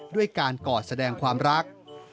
ด้วยการกอดแสดงความรัก